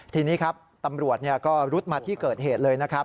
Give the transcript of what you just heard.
ทีนี้ครับตำรวจก็รุดมาที่เกิดเหตุเลยนะครับ